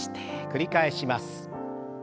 繰り返します。